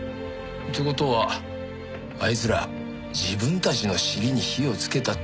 って事はあいつら自分たちの尻に火をつけたってわけか。